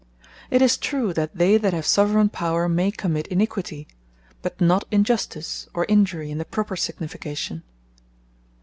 It is true that they that have Soveraigne power, may commit Iniquity; but not Injustice, or Injury in the proper signification.